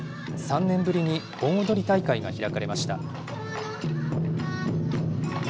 ３年ぶりに盆踊り大会が開かれました。